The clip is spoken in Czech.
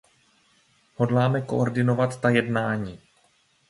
Hodláme koordinovat ta jednání.